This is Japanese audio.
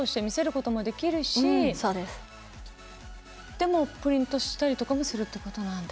でもプリントしたりとかもするってことなんだ。